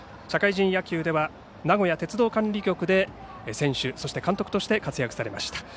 社会人野球では名古屋鉄道管理局で選手、そして監督として活躍されました。